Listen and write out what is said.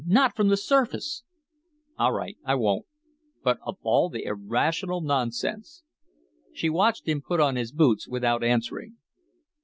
Not from the surface!" "All right, I won't. But of all the irrational nonsense " She watched him put on his boots without answering.